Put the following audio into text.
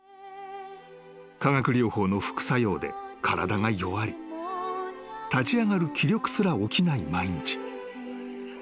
［化学療法の副作用で体が弱り立ち上がる気力すら起きない毎日］